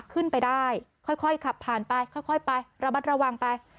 ขึ้นไปได้ค่อยขับผ่านไปค่อยไประมัดระวังไป